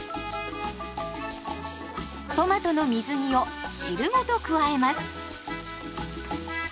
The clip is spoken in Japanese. トマトの水煮を汁ごと加えます。